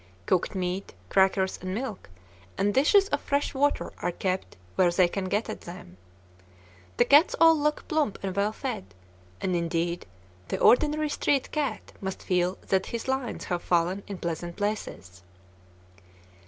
Cooked meat, crackers and milk, and dishes of fresh water are kept where they can get at them. The cats all look plump and well fed, and, indeed, the ordinary street cat must feel that his lines have fallen in pleasant places.